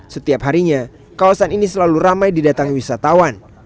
setiap harinya kawasan ini selalu ramai didatangi wisatawan